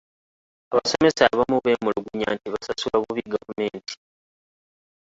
Abasomesa abamu beemulugunya nti basasulwa bubi gavumenti.